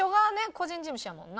個人事務所やもんな。